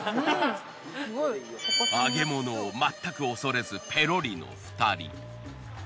揚げ物をまったく恐れずペロリの２人。